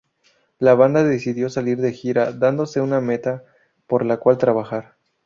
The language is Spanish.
La banda decidió salir de gira, dándose una meta por la cual trabajar.